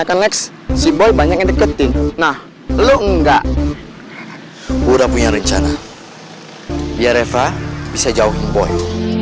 akan lex si bol banyak yang deketin nah lu enggak udah punya rencana ya reva bisa jauhin boy